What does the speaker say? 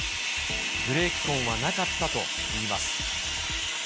ブレーキ痕はなかったといいます。